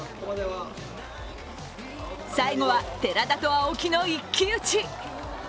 最後は寺田と青木の一騎打ち。